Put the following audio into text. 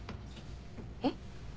えっ？